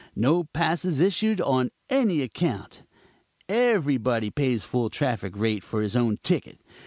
No passes issued on any account; everybody pays full traffic rate for his own ticket.